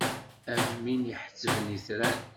Am win iḥettben itran.